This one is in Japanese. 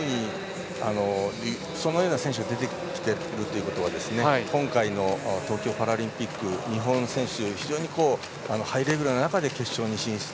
そのような選手が出てきているということは今回の東京パラリンピック日本選手は非常にハイレベルな中で決勝進出。